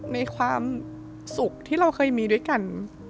ในความสุขที่เราเคยมีด้วยกัน